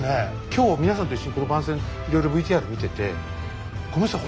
今日皆さんと一緒にこの番宣いろいろＶＴＲ見ててごめんなさい